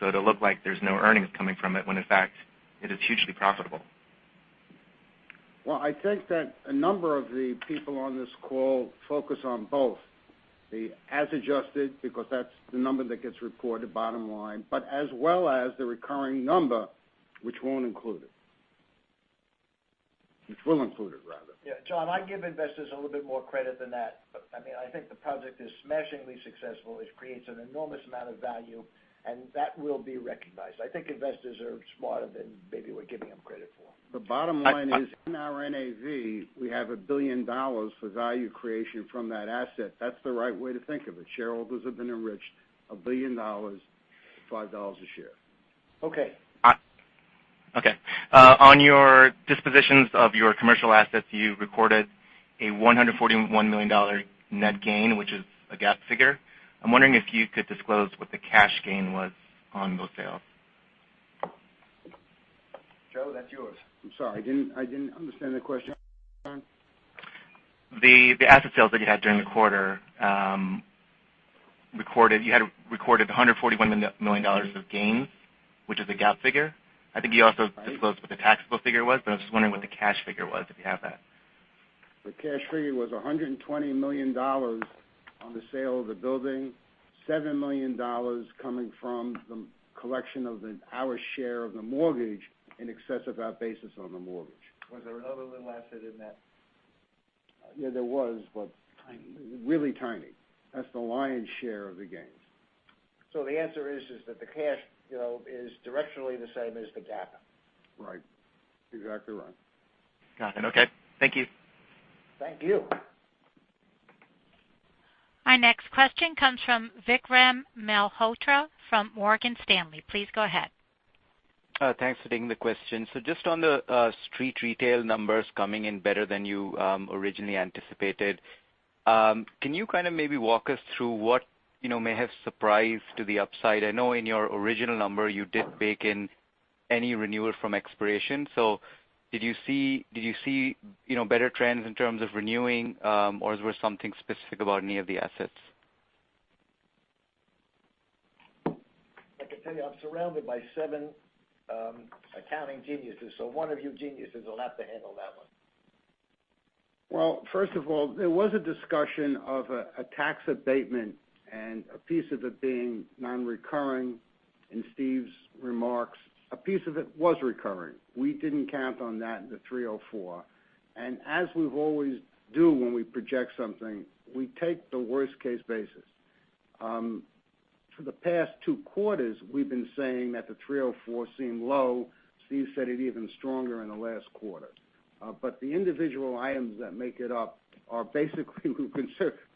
It'll look like there's no earnings coming from it, when in fact, it is hugely profitable. Well, I think that a number of the people on this call focus on both. The as adjusted because that's the number that gets reported bottom line, but as well as the recurring number, which won't include it. Which will include it, rather. Yeah. John, I give investors a little bit more credit than that. I think the project is smashingly successful. It creates an enormous amount of value, that will be recognized. I think investors are smarter than maybe we're giving them credit for. The bottom line is in our NAV, we have $1 billion for value creation from that asset. That's the right way to think of it. Shareholders have been enriched $1 billion, $5 a share. Okay. Okay. On your dispositions of your commercial assets, you recorded a $141 million net gain, which is a GAAP figure. I'm wondering if you could disclose what the cash gain was on those sales. Joe, that's yours. I'm sorry. I didn't understand the question, John. The asset sales that you had during the quarter, you had recorded $141 million of gains, which is a GAAP figure. I think you also disclosed what the taxable figure was, but I was just wondering what the cash figure was, if you have that. The cash figure was $120 million on the sale of the building, $7 million coming from the collection of our share of the mortgage in excess of our basis on the mortgage. Was there another little asset in that? Yeah, there was. Tiny really tiny. That's the lion's share of the gains. The answer is that the cash is directionally the same as the GAAP. Right. Exactly right. Got it. Okay. Thank you. Thank you. Our next question comes from Vikram Malhotra from Morgan Stanley. Please go ahead. Thanks for taking the question. Just on the street retail numbers coming in better than you originally anticipated, can you kind of maybe walk us through what may have surprised to the upside? I know in your original number, you did bake in any renewal from expiration. Did you see better trends in terms of renewing? Or was there something specific about any of the assets? I can tell you I'm surrounded by seven accounting geniuses, one of you geniuses will have to handle that one. First of all, there was a discussion of a tax abatement and a piece of it being non-recurring in Steve's remarks. A piece of it was recurring. We didn't count on that in the 304. As we always do when we project something, we take the worst-case basis. For the past two quarters, we've been saying that the 304 seem low. Steve said it even stronger in the last quarter. The individual items that make it up are basically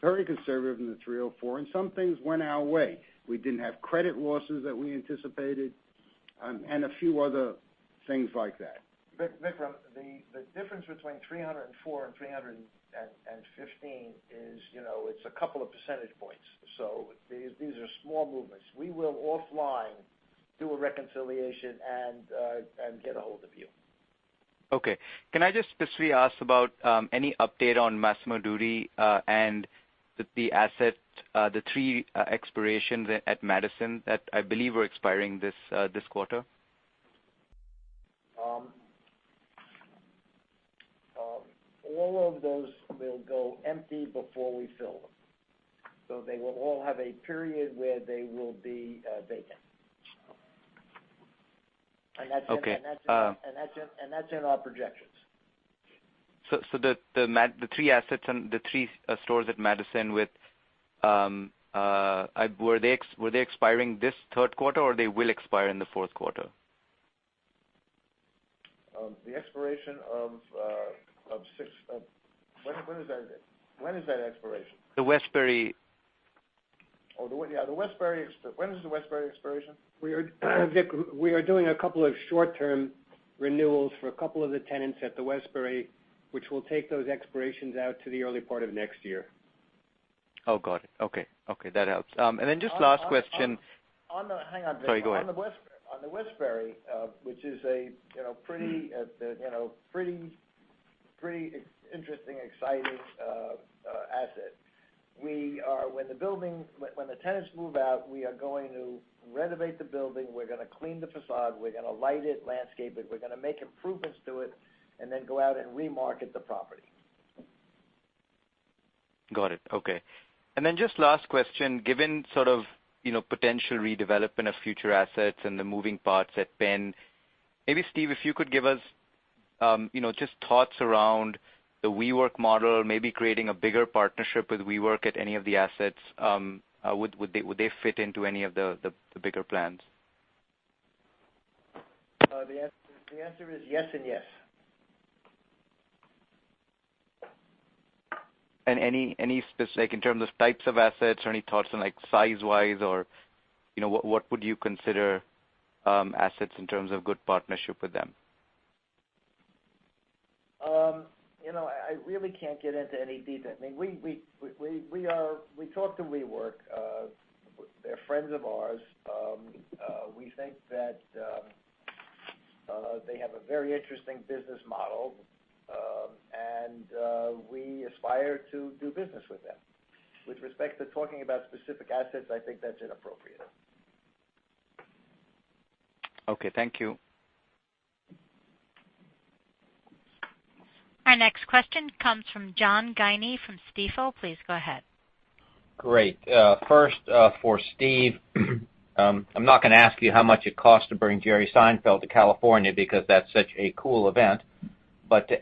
very conservative in the 304, and some things went our way. We didn't have credit losses that we anticipated, and a few other things like that. Vikram, the difference between 304 and 315 is a couple of percentage points. These are small movements. We will offline do a reconciliation and get a hold of you. Can I just specifically ask about any update on Massimo Dutti, and the asset, the three expirations at Madison that I believe were expiring this quarter? All of those will go empty before we fill them. They will all have a period where they will be vacant. Okay. That's in our projections. The three stores at Madison. Were they expiring this third quarter, or they will expire in the fourth quarter? The expiration of six. When is that expiration? The Westbury. Oh, yeah. The Westbury. When is the Westbury expiration? Vik, we are doing a couple of short-term renewals for a couple of the tenants at the Westbury, which will take those expirations out to the early part of next year. Oh, got it. Okay. That helps. Just last question. Hang on, Vikram. Sorry, go ahead. On the Westbury, which is a pretty interesting, exciting asset. When the tenants move out, we are going to renovate the building. We're going to clean the facade, we're going to light it, landscape it, we're going to make improvements to it, and then go out and re-market the property. Got it. Okay. Just last question, given potential redevelopment of future assets and the moving parts at Penn, maybe Steve, if you could give us just thoughts around the WeWork model, maybe creating a bigger partnership with WeWork at any of the assets. Would they fit into any of the bigger plans? The answer is yes and yes. Specific, in terms of types of assets or any thoughts on size-wise, or what would you consider assets in terms of good partnership with them? I really can't get into any detail. We talk to WeWork. They're friends of ours. We think that they have a very interesting business model, and we aspire to do business with them. With respect to talking about specific assets, I think that's inappropriate. Okay. Thank you. Our next question comes from John Guinee from Stifel. Please go ahead. First for Steve. I'm not going to ask you how much it cost to bring Jerry Seinfeld to California, because that's such a cool event.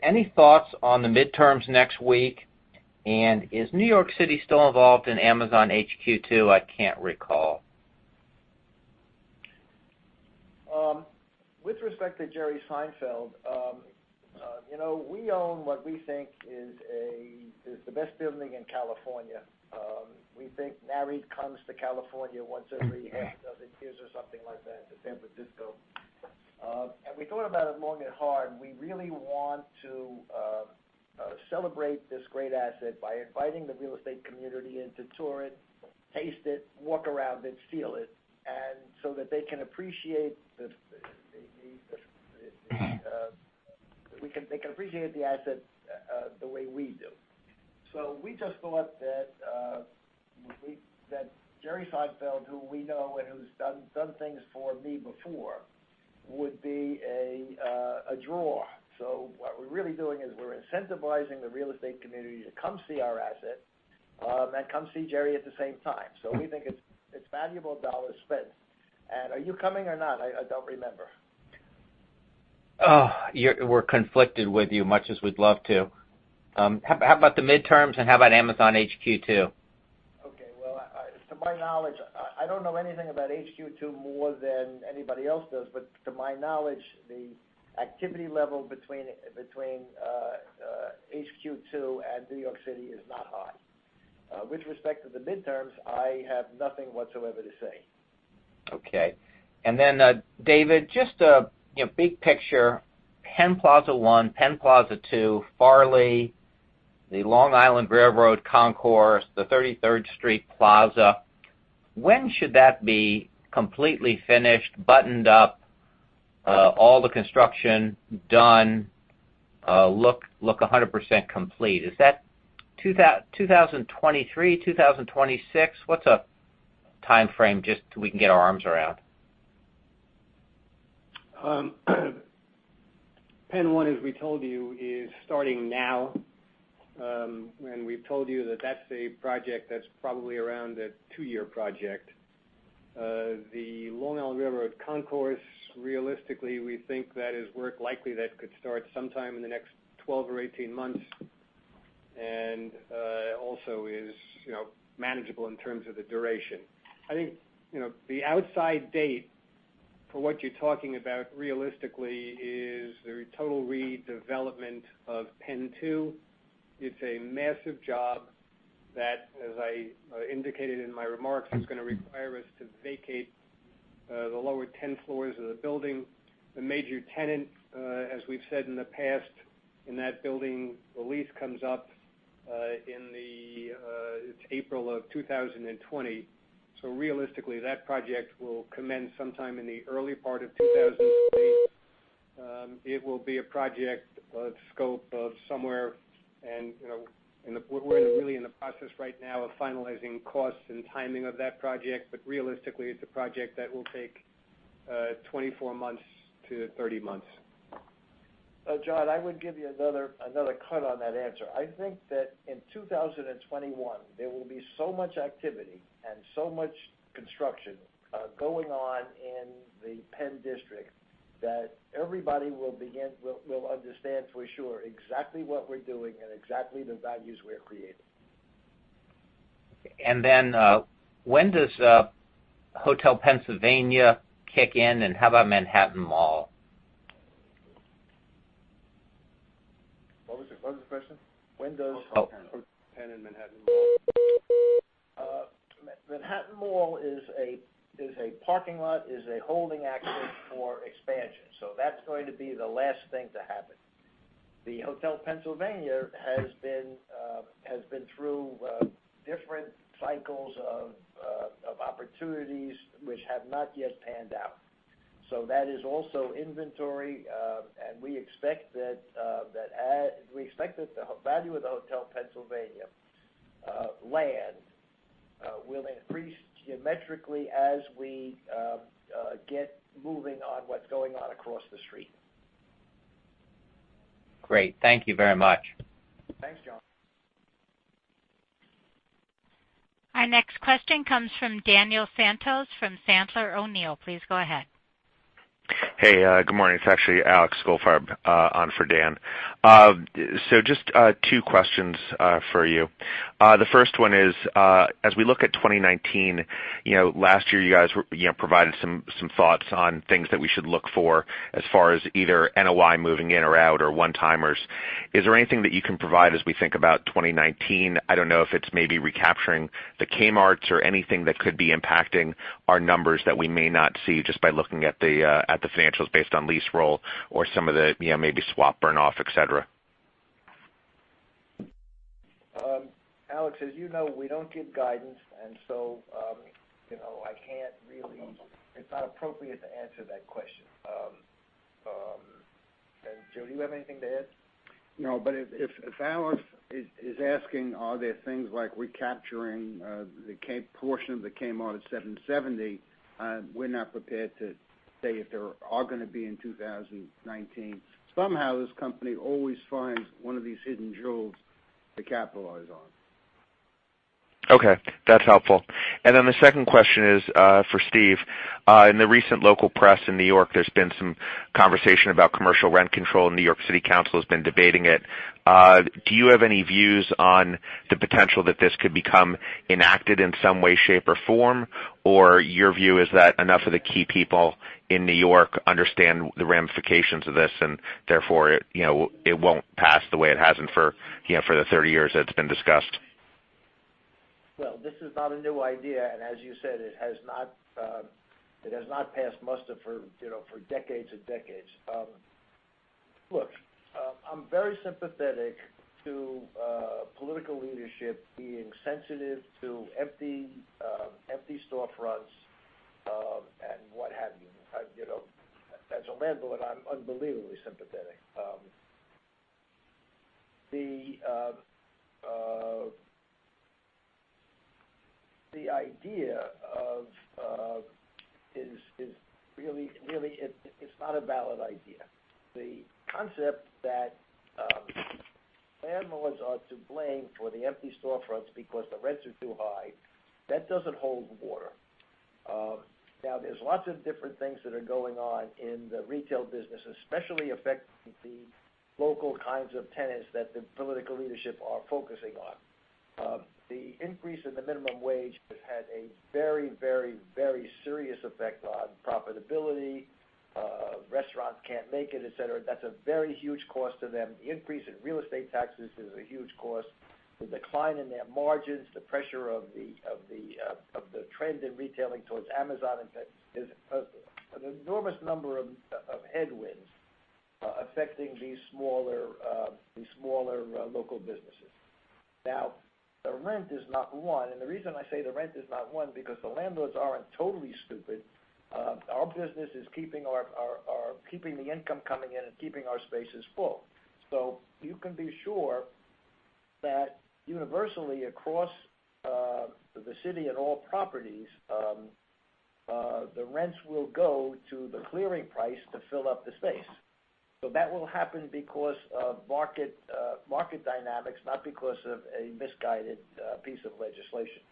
Any thoughts on the midterms next week, and is New York City still involved in Amazon HQ2? I can't recall. With respect to Jerry Seinfeld, we own what we think is the best building in California. We think Nareit comes to California once every eight years or something like that, to San Francisco. We thought about it long and hard. We really want to celebrate this great asset by inviting the real estate community in to tour it, taste it, walk around it, feel it, and so that they can appreciate the asset the way we do. We just thought that Jerry Seinfeld, who we know and who's done things for me before, would be a draw. What we're really doing is we're incentivizing the real estate community to come see our asset, and come see Jerry at the same time. We think it's valuable dollars spent. Are you coming or not? I don't remember. Oh, we're conflicted with you, much as we'd love to. How about the midterms and how about Amazon HQ2? Okay. Well, to my knowledge I don't know anything about HQ2 more than anybody else does, but to my knowledge, the activity level between HQ2 and New York City is not high. With respect to the midterms, I have nothing whatsoever to say. Okay. David, just a big picture. Penn Plaza 1, Penn Plaza 2, Farley, the Long Island Rail Road Concourse, the 33rd Street Plaza, when should that be completely finished, buttoned up? All the construction done, look 100% complete? Is that 2023, 2026? What's a timeframe just so we can get our arms around? Penn 1, as we told you, is starting now. We've told you that that's a project that's probably around a two-year project. The Long Island Rail Road Concourse, realistically, we think that is work likely that could start sometime in the next 12 or 18 months, and also is manageable in terms of the duration. I think, the outside date for what you're talking about realistically is the total redevelopment of Penn 2. It's a massive job that, as I indicated in my remarks, is going to require us to vacate the lower 10 floors of the building. The major tenant, as we've said in the past, in that building, the lease comes up in April of 2020. Realistically, that project will commence sometime in the early part of 2023. It will be a project of scope of somewhere. We're really in the process right now of finalizing costs and timing of that project. Realistically, it's a project that will take 24-30 months. John, I would give you another cut on that answer. I think that in 2021, there will be so much activity and so much construction going on in the Penn District that everybody will understand for sure exactly what we're doing and exactly the values we're creating. When does Hotel Pennsylvania kick in, and how about Manhattan Mall? What was the question? Hotel Pennsylvania. Penn and Manhattan Mall. Manhattan Mall is a parking lot, is a holding action for expansion, that's going to be the last thing to happen. The Hotel Pennsylvania has been through different cycles of opportunities which have not yet panned out. That is also inventory, and we expect that the value of the Hotel Pennsylvania land will increase geometrically as we get moving on what's going on across the street. Great. Thank you very much. Thanks, John. Our next question comes from Daniel Santos from Sandler O'Neill. Please go ahead. Hey, good morning. It's actually Alexander Goldfarb on for Dan. Just two questions for you. The first one is, as we look at 2019, last year, you guys provided some thoughts on things that we should look for as far as either NOI moving in or out or one-timers. Is there anything that you can provide as we think about 2019? I don't know if it's maybe recapturing the Kmarts or anything that could be impacting our numbers that we may not see just by looking at the financials based on lease roll or some of the maybe swap burn off, et cetera. Alex, as you know, we don't give guidance. It's not appropriate to answer that question. Joe, do you have anything to add? No, if Alex is asking are there things like recapturing the portion of the Kmart at 770, we're not prepared to say if there are going to be in 2019. Somehow, this company always finds one of these hidden jewels to capitalize on. Okay, that's helpful. The second question is for Steve. In the recent local press in New York, there's been some conversation about commercial rent control. New York City Council has been debating it. Do you have any views on the potential that this could become enacted in some way, shape, or form, or your view is that enough of the key people in New York understand the ramifications of this and therefore it won't pass the way it hasn't for the 30 years that it's been discussed? Well, this is not a new idea. As you said, it has not passed muster for decades and decades. Look, I'm very sympathetic to political leadership being sensitive to empty storefronts and what have you. As a landlord, I'm unbelievably sympathetic. The idea of Really, it's not a valid idea. The concept that landlords are to blame for the empty storefronts because the rents are too high, that doesn't hold water. There's lots of different things that are going on in the retail business, especially affecting the local kinds of tenants that the political leadership are focusing on. The increase in the minimum wage has had a very serious effect on profitability. Restaurants can't make it, et cetera. That's a very huge cost to them. The increase in real estate taxes is a huge cost. The decline in their margins, the pressure of the trend in retailing towards Amazon, an enormous number of headwinds Affecting these smaller local businesses. The rent is not one. The reason I say the rent is not one, because the landlords aren't totally stupid. Our business is keeping the income coming in and keeping our spaces full. You can be sure that universally across the city and all properties, the rents will go to the clearing price to fill up the space. That will happen because of market dynamics, not because of a misguided piece of legislation.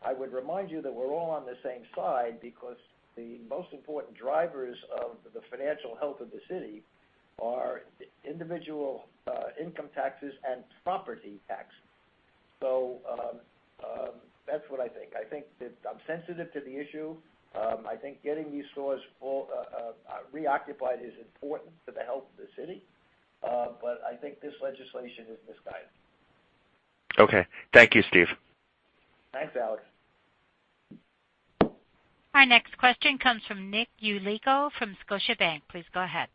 I would remind you that we're all on the same side because the most important drivers of the financial health of the city are individual income taxes and property tax. That's what I think. I'm sensitive to the issue. I think getting these stores reoccupied is important for the health of the city. I think this legislation is misguided. Okay. Thank you, Steve. Thanks, Alex. Our next question comes from Nicholas Yulico from Scotiabank. Please go ahead.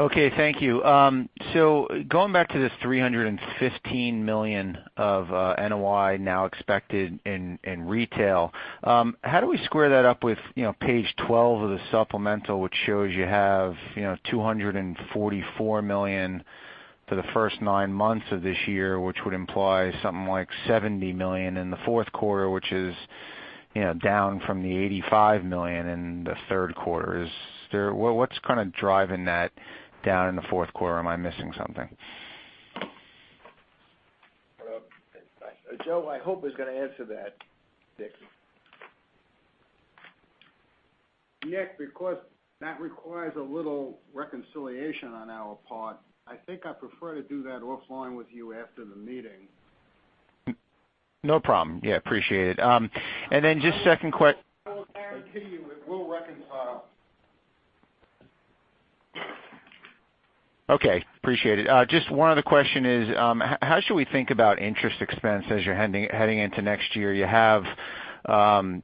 Okay, thank you. Going back to this $315 million of NOI now expected in retail, how do we square that up with page 12 of the supplemental, which shows you have $244 million for the first nine months of this year, which would imply something like $70 million in the fourth quarter, which is down from the $85 million in the third quarter. What's kind of driving that down in the fourth quarter? Am I missing something? Joe, I hope is going to answer that, Nick. Because that requires a little reconciliation on our part, I think I prefer to do that offline with you after the meeting. No problem. Yeah, appreciate it. I will guarantee you it will reconcile. Okay, appreciate it. Just one other question is, how should we think about interest expense as you're heading into next year? You have some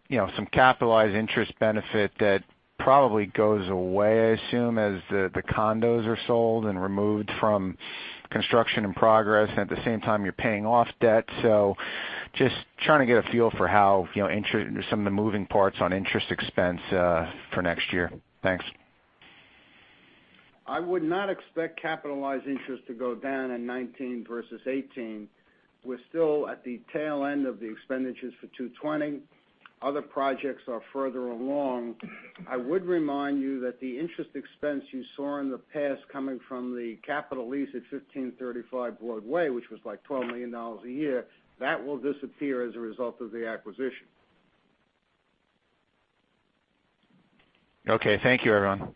capitalized interest benefit that probably goes away, I assume, as the condos are sold and removed from construction in progress. At the same time, you're paying off debt. Just trying to get a feel for how some of the moving parts on interest expense for next year. Thanks. I would not expect capitalized interest to go down in 2019 versus 2018. We're still at the tail end of the expenditures for 220. Other projects are further along. I would remind you that the interest expense you saw in the past coming from the capital lease at 1535 Broadway, which was like $12 million a year, that will disappear as a result of the acquisition. Okay, thank you, everyone.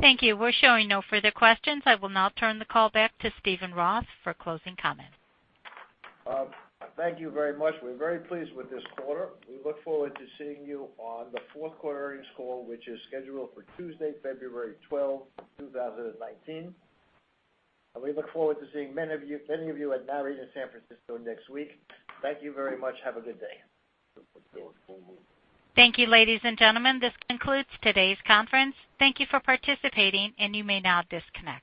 Thank you. We're showing no further questions. I will now turn the call back to Steven Roth for closing comments. Thank you very much. We're very pleased with this quarter. We look forward to seeing you on the fourth quarter earnings call, which is scheduled for Tuesday, February 12, 2019. We look forward to seeing many of you at Nareit in San Francisco next week. Thank you very much. Have a good day. Thank you, ladies and gentlemen. This concludes today's conference. Thank you for participating, and you may now disconnect.